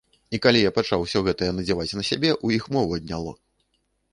І калі я пачаў усё гэтае надзяваць на сябе, у іх мову адняло.